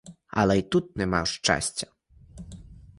Але й тут не мав щастя.